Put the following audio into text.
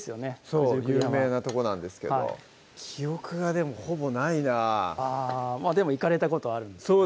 そう有名なとこなんですけど記憶がでもほぼないなぁあでも行かれたことあるんですね